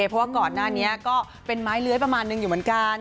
เพราะว่าก่อนหน้านี้ก็เป็นไม้เลื้อยประมาณนึงอยู่เหมือนกัน